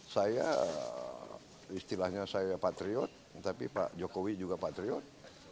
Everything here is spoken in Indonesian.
saya istilahnya saya patriot tapi pak jokowi juga patriot